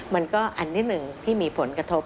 มันก็อันที่หนึ่งที่มีผลกระทบ